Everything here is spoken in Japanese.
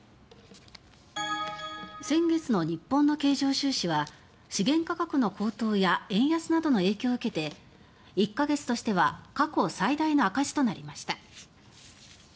先月の日本の経常収支は資源価格の高騰や円安などの影響を受けて１か月としては過去最大の赤字となりました。